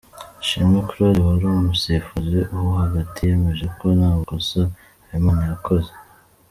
Ishimwe Claude wari umusifuzi wo hagati yemeje ko nta kosa Habimana yakoze.